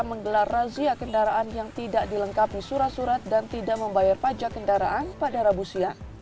menggelar razia kendaraan yang tidak dilengkapi surat surat dan tidak membayar pajak kendaraan pada rabu siang